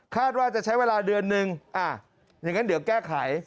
ว่าจะใช้เวลาเดือนนึงอย่างนั้นเดี๋ยวแก้ไข